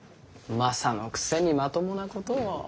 マサのくせにまともなことを。